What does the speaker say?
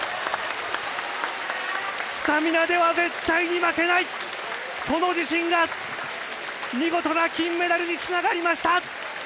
スタミナでは絶対に負けないその自信が見事な金メダルにつながりました！